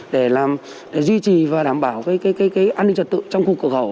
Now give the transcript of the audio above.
để làm duy trì và đảm bảo an ninh trật tự trong khu cửa khẩu